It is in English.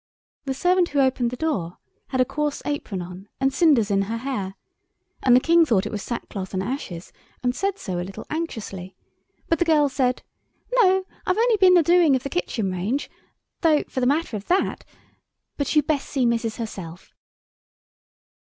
The servant who opened the door had a coarse apron on and cinders in her hair, and the King thought it was sackcloth and ashes, and said so a little anxiously, but the girl said, "No, I've only been a doing of the kitchen range—though, for the matter of that—but you'd best see missus herself."